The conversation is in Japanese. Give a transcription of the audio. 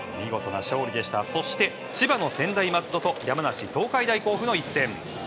千葉の専大松戸と山梨・東海大甲府の一戦。